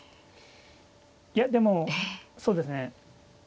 いやでもそうですね